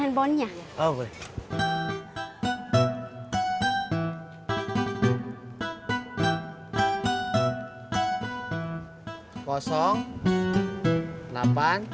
nomornya hai korb consult napan